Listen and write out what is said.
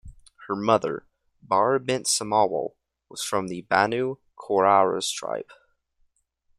Her mother, Barra bint Samawal, was from the Banu Qurayza tribe.